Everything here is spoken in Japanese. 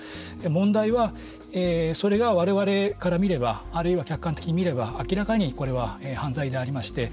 問題は、それが我々から見ればあるいは客観的に見れば明らかにこれは犯罪でありまして